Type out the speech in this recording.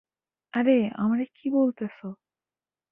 আরে আমারে কী বলতেসো?